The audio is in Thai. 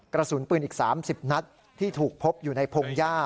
กระสุนปืนอีก๓๐นัดที่ถูกพบอยู่ในพงหญ้า